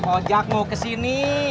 ojak mau kesini